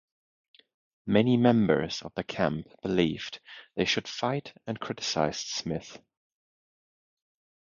Many members of the camp believed they should fight and criticized Smith.